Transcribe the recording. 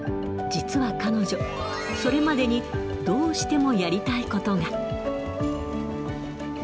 実は彼女、それまでにどうしてもやりたいことが。